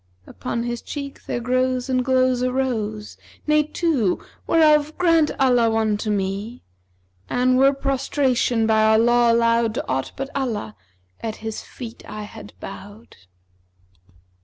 Upon his cheek there grows and glows a rose, * Nay two, whereof grant Allah one to me! An were prostration[FN#353] by our law allowed * To aught but Allah, at his feet I had bowed.'